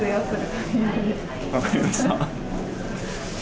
分かりました。